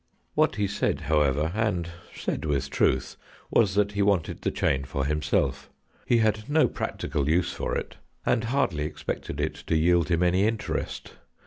What he said, however, and said with truth, was that he wanted the chain for himself. He had no practical use for it, and hardly expected it to yield him any interest.